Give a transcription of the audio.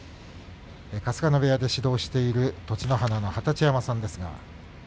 春日野部屋で教えている栃乃花の二十山さんです。